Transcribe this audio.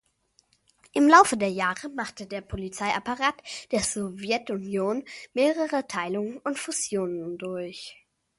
Im Laufe der Jahre machte der Polizeiapparat der Sowjetunion mehrere Teilungen und Fusionen durch.